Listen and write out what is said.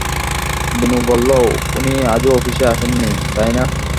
বিনু বলল, উনি আজও অফিসে আসেন নি, তাই না?